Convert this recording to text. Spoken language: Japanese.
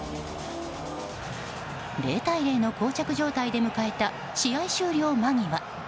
０対０の膠着状態で迎えた試合終了間際。